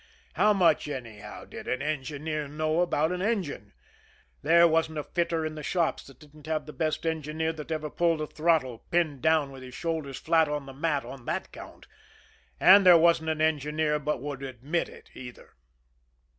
How much, anyhow, did an engineer know about an engine? There wasn't a fitter in the shops that didn't have the best engineer that ever pulled a throttle pinned down with his shoulders flat on the mat on that count and there wasn't an engineer but what would admit it, either.